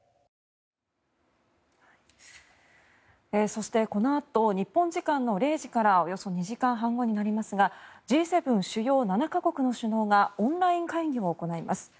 そして、このあと日本時間の０時からおよそ２時間半後になりますがＧ７・主要７か国の首脳がオンライン会議を行います。